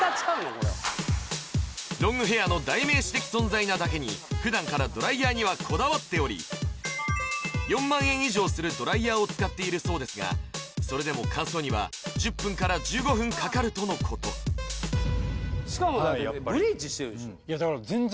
これロングヘアの代名詞的存在なだけに普段からドライヤーにはこだわっており４万円以上するドライヤーを使っているそうですがそれでも乾燥には１０分から１５分かかるとのことそうですね